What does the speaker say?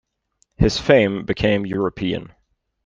His fame became European.